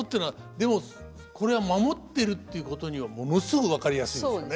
でもこれは守ってるっていうことにはものすごく分かりやすいですね。